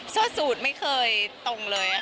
เซื่อสูตรไม่เคยตรงเลย